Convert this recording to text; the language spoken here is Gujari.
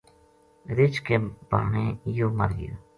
رچھ کے بھانے یوہ مر گیو